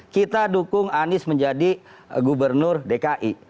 kita dukung anies menjadi gubernur dki